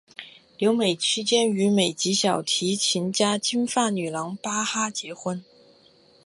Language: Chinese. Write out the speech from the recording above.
留美期间与美籍小提琴家金发女郎巴哈结婚。